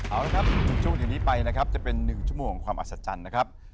เอาละครับในช่วงอย่างนี้ไปนะครับจะเป็น๑ชั่วโมงของความอัศจรรย์นะครับ